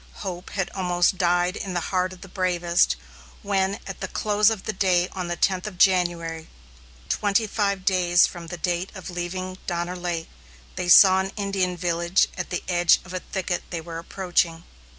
Hope had almost died in the heart of the bravest, when at the close of day on the tenth of January, twenty five days from the date of leaving Donner Lake, they saw an Indian village at the edge of a thicket they were approaching.